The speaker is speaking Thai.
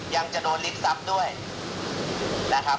ยังจะโดนลิบทรัพย์ด้วยนะครับ